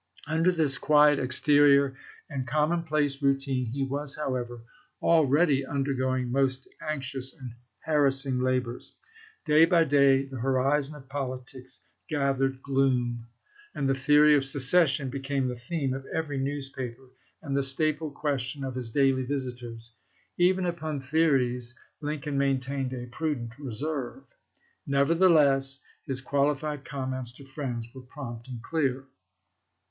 Under this quiet exterior and commonplace rou tine he was, however, already undergoing most anxious and harassing labors. Day by day the horizon of politics gathered gloom, and the theory of secession became the theme of every newspaper and the staple question of his daily visitors. Even upon theories Lincoln maintained a prudent re serve. Nevertheless his qualified comments to friends were prompt and clear.